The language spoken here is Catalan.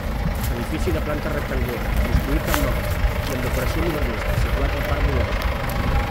Edifici de planta rectangular, construït amb maó, i amb decoració modernista, situat al Parc d'Olesa.